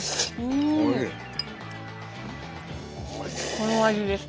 この味です。